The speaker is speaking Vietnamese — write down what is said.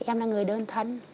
em là người đơn thân